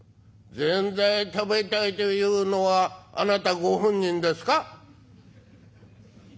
「ぜんざい食べたいというのはあなたご本人ですか？」。